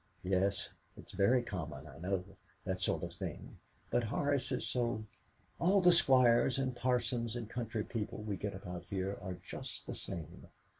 Yes; it's very common, I know, that sort of thing, but Horace is so ! All the squires and parsons and county people we get about here are just the same.